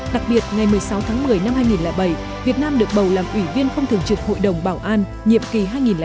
đặc biệt ngày một mươi sáu tháng một mươi năm hai nghìn bảy việt nam được bầu làm ủy viên không thường trực hội đồng bảo an nhiệm kỳ hai nghìn tám hai nghìn chín